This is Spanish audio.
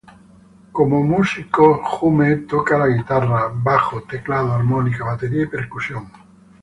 Como músico, Hume toca la guitarra, bajo, teclado, armónica, batería y percusión.